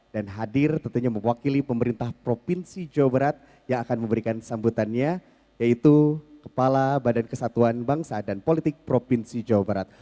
dan hadir tentunya mewakili pemerintah provinsi jawa barat yang akan memberikan sambutannya yaitu kepala badan kesatuan bangsa dan politik provinsi jawa barat